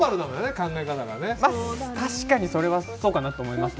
確かにそれはそうかなと思います。